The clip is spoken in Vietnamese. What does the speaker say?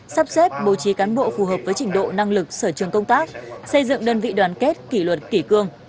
sắp xếp bố trí cán bộ phù hợp với trình độ năng lực sở trường công tác xây dựng đơn vị đoàn kết kỷ luật kỷ cương